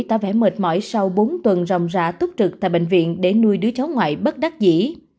tỏ vẻ mệt mỏi sau bốn tuần rồng rạ túc trực tại bệnh viện để nuôi đứa cháu ngoại bất đắc dĩ